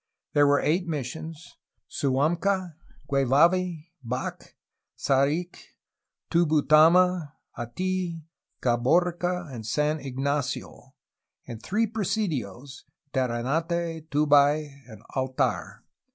There were eight mis sions: Suamca, Guevavi, Bac, Saric, Tubutama, Atf, Caborca, and San Ignacio, and three presidios, Terre nate, Tubac, and Altar.